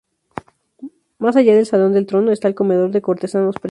Más allá del Salón del Trono está el Comedor de cortesanos presentes.